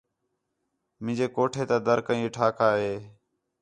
مینجے کوٹھے تا در کئیں ٹھاکا ہے